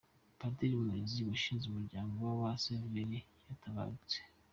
Padiri Muhizi washinze umuryango w’Abasaveri yatabarutse